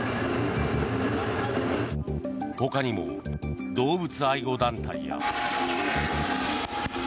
ほかにも動物愛護団体や。